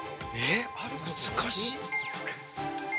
◆難しい。